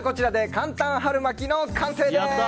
簡単春巻きの完成です！